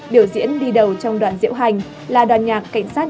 biểu diễn đi đầu trong đoàn diễu hành là đoàn nhạc cảnh sát nhân dân